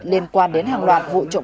liên quan đến hàng loạt vụ trộm